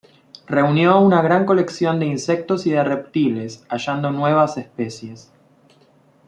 Reunió una gran colección de insectos y de reptiles, hallando nuevas especies.